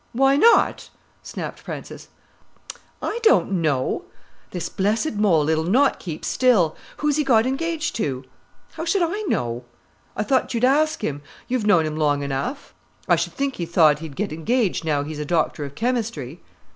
"Why not?" snapped Frances. "I don't know—this blessed mole, it'll not keep still!—who's he got engaged to?" "How should I know?" "I thought you'd ask him; you've known him long enough. I s'd think he thought he'd get engaged now he's a Doctor of Chemistry."